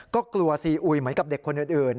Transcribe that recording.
ก็กลัวซีอุยเหมือนกับเด็กคนอื่น